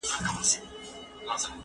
مړۍ د مور له خوا پخيږي؟!